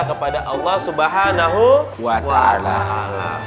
kepada allah subhanahu wa ta'ala